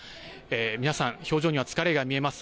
皆さん、表情には疲れが見えます。